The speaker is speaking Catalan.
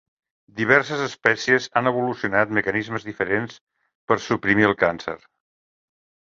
Diverses espècies han evolucionat mecanismes diferents per suprimir el càncer.